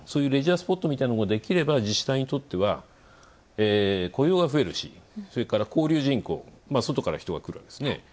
スポットみたいなのができれば自治体にとっては雇用が増えるし、それから交流人口、外から人が来るんですね。